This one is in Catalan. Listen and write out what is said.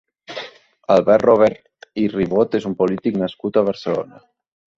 Albert Robert i Ribot és un polític nascut a Barcelona.